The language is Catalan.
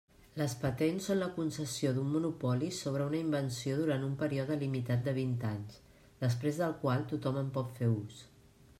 Les patents són la concessió d'un monopoli sobre una invenció durant un període limitat de vint anys, després del qual tothom en pot fer ús.